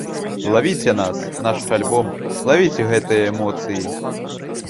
Лавіце нас, наш альбом, лавіце гэтыя эмоцыі!